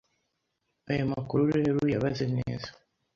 Ayo makuru rero uyabaze neza